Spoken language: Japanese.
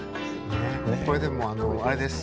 これでもあれです。